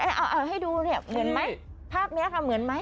อ่าให้ดูเป็นไหมภาพไหนกันเหมือนไหม